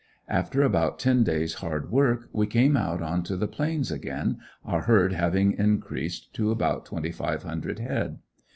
After about ten days hard work we came out onto the Plains again, our herd having increased to about twenty five hundred head.